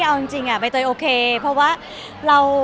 เอาจริงอ่ะไปตัวโอเคเพราะว่าเรา